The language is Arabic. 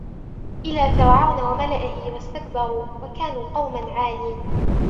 إِلَى فِرْعَوْنَ وَمَلَئِهِ فَاسْتَكْبَرُوا وَكَانُوا قَوْمًا عَالِينَ